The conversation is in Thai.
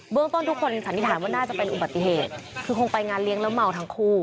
เรื่องต้นทุกคนสันนิษฐานว่าน่าจะเป็นอุบัติเหตุคือคงไปงานเลี้ยงแล้วเมาทั้งคู่